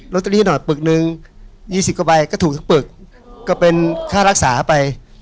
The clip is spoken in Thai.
ตเตอรี่หน่อยปึกหนึ่ง๒๐กว่าใบก็ถูกสักปึกก็เป็นค่ารักษาไป